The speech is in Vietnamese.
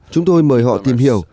chúng tôi mời họ tìm hiểu